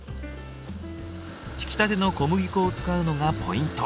ひきたての小麦粉を使うのがポイント。